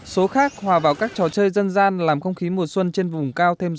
số khác hòa vào các trò chơi dân gian làm không khí mùa xuân trên vùng cao thêm rộ